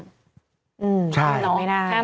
ใช่ใช่มันไม่ได้